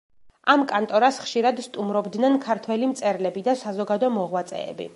ამ კანტორას ხშირად სტუმრობდნენ ქართველი მწერლები და საზოგადო მოღვაწეები.